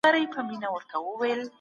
فضا او چوپتیا هم باید ولېږدول شي.